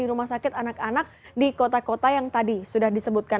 penyakit anak anak di kota kota yang tadi sudah disebutkan